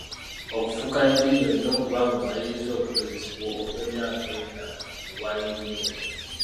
Okufuuka yinginiya, olina okuba ng'omaliriza okugezesebwa okw'emyaka ena mu bwa yinginiya.